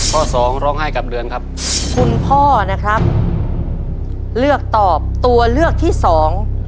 สองร้องไห้กลับเดือนครับคุณพ่อนะครับเลือกตอบตัวเลือกที่สอง